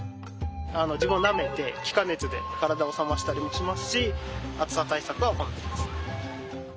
自分をなめて気化熱で体を冷ましたりもしますし暑さ対策は行ってます。